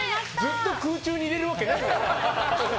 ずっと空中にいれるわけないだろ。